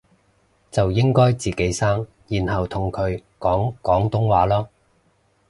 就應該自己生然後同佢講廣東話囉